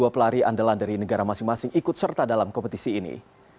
dua pelari andalan dari negara masing masing ikut serta dalam kompetisi ini